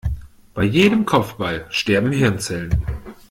Bei jedem Kopfball sterben Hirnzellen.